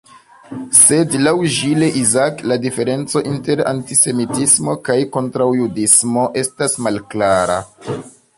Sed laŭ Jules Isaac la diferenco inter "antisemitismo" kaj "kontraŭjudismo" estas malklara.